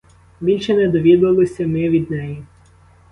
Більше не довідалися ми від неї.